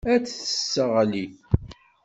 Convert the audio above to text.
Ad t-tesseɣli.